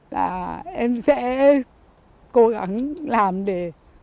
là em sẽ cố gắng làm để